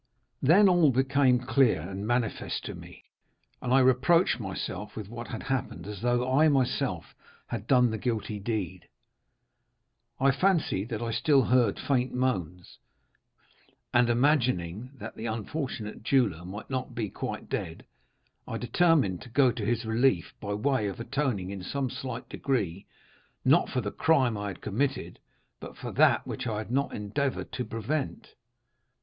"Then all became clear and manifest to me, and I reproached myself with what had happened, as though I myself had done the guilty deed. I fancied that I still heard faint moans, and imagining that the unfortunate jeweller might not be quite dead, I determined to go to his relief, by way of atoning in some slight degree, not for the crime I had committed, but for that which I had not endeavored to prevent.